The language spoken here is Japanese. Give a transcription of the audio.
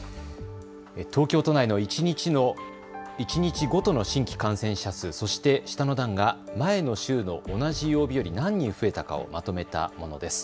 東京都内の一日ごとの新規感染者数、そして下の段が前の週の同じ曜日より何人増えたかをまとめたものです。